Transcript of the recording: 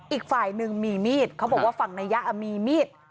อีกฝ่ายหนึ่งมีมีดเขาบอกว่าฝั่งนายยะมีมีด